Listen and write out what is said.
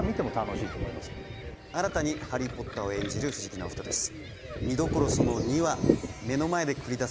新たにハリー・ポッターを演じる藤木直人です